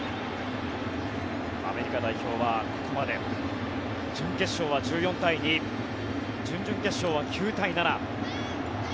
アメリカ代表はここまで準決勝は１４対２準々決勝は９対７。